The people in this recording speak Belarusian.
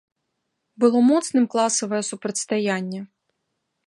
Было моцным класавае супрацьстаянне.